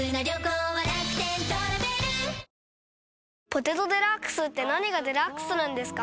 「ポテトデラックス」って何がデラックスなんですか？